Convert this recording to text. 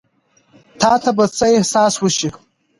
تا ته به څۀ احساس وشي ـ